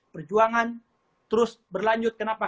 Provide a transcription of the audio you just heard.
perjuangan terus berlanjut kenapa